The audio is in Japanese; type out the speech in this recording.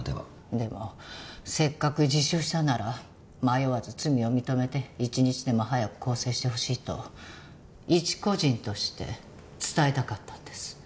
でもせっかく自首したなら迷わず罪を認めて一日でも早く更生してほしいと一個人として伝えたかったんです。